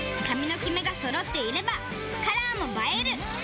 髪のキメがそろっていればカラーも映える！